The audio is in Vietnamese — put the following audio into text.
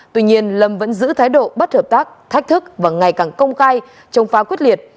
tuy nhiên lâm vẫn giữ thái độ bất hợp tác thách thức và ngày càng công khai chống phá quyết liệt